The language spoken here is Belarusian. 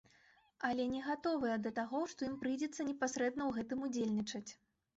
Але не гатовыя да таго, што ім прыйдзецца непасрэдна ў гэтым удзельнічаць.